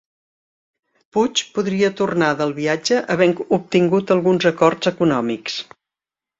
Puig podria tornar del viatge havent obtingut alguns acords econòmics